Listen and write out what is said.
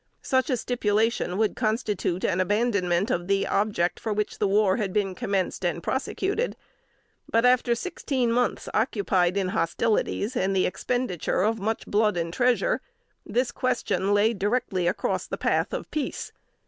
Such stipulation would constitute an abandonment of the objects for which the war had been commenced and prosecuted; but, after sixteen months occupied in hostilities, and the expenditure of much blood and treasure, this question lay directly across the path of peace.